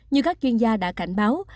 như các chuyên gia đã cảnh báo